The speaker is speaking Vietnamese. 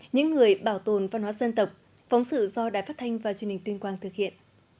những người tạo nên linh hồn của văn hóa truyền thống chính là những nghệ nhân dân gian